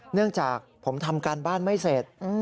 เนื่องจากผมทำการบ้านไม่เสร็จ